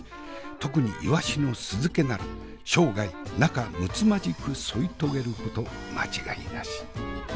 特にいわしの酢漬けなら生涯仲むつまじく添い遂げること間違いなし。